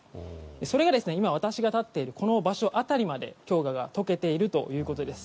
それが今、私が立っているこの場所辺りまで氷河が解けているということです。